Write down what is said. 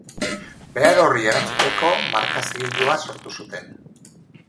Behar horri erantzuteko marka-zigilua sortu zuten.